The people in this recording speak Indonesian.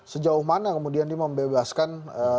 sejauh mana kemudian dia membebaskan